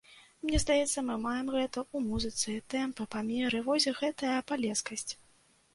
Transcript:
Мне здаецца, мы маем гэта ў музыцы, тэмпы, памеры, вось гэтая палескасць.